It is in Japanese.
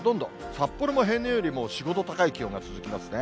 札幌も平年よりも４、５度高い気温が続きますね。